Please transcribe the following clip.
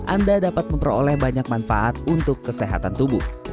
anda dapat memperoleh banyak manfaat untuk kesehatan tubuh